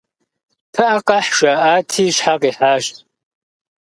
«Пыӏэ къэхь» жаӏати, щхьэ къихьащ.